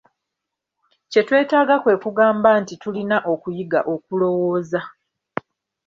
Kye twetaaga kwe kugamba nti tulina okuyiga okulowooza.